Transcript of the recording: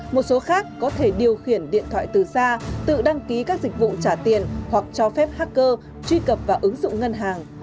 một số khác có thể điều khiển điện thoại từ xa tự đăng ký các dịch vụ trả tiền hoặc cho phép hacker truy cập vào ứng dụng ngân hàng